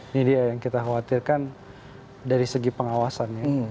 ini dia yang kita khawatirkan dari segi pengawasannya